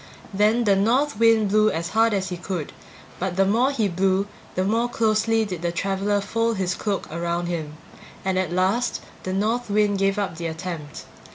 Then the North Wind blew as hard as he could, but the more he blew the more closely did the traveler fold his cloak around him; and at last the North Wind gave up the attempt.